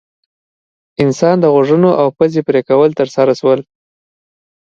انسان د غوږونو او پزې پرې کول ترسره شول.